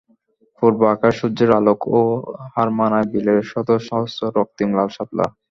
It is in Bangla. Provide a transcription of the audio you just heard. পূর্ব আকাশে সূর্যের আলোকেও হার মানায় বিলের শতসহস্র রক্তিম লাল শাপলা।